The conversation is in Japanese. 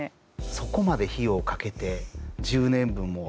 そこまで費用をかけて１０年分も。